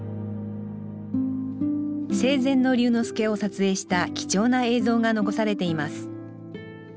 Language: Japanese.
生前の龍之介を撮影した貴重な映像が残されています